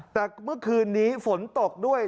แต่เมื่อคืนนี้ฝนตกด้วย